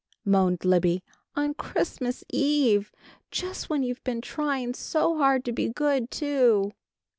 mourned Libby. "On Christmas eve, just when you've been trying so hard to be good, too!"